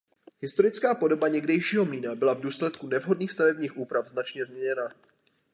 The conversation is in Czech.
Historická podoba někdejšího mlýna byla v důsledku nevhodných stavebních úprav značně změněna.